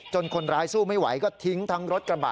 คนร้ายสู้ไม่ไหวก็ทิ้งทั้งรถกระบะ